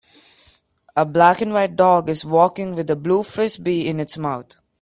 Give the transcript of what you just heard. A black and white dog is walking with a blue Frisbee in its mouth